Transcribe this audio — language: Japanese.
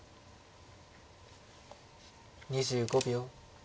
２５秒。